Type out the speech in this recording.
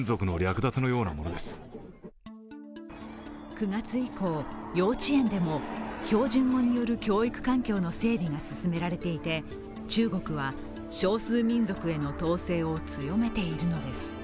９月以降、幼稚園でも標準語による教育環境の整備が進められていて中国は、少数民族への統制を強めているのです。